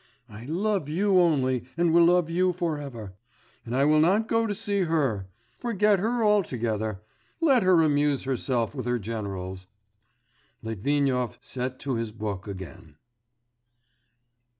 I love you only and will love you for ever. And I will not go to see her. Forget her altogether! Let her amuse herself with her generals.' Litvinov set to his book again.